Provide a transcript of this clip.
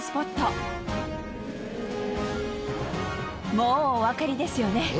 もうおわかりですよね？